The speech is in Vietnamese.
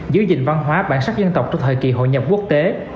giữ gìn văn hóa bản sắc dân tộc trong thời kỳ hội nhập quốc tế